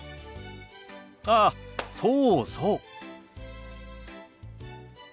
あそうそう。